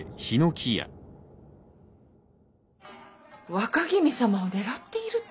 若君様を狙っていると？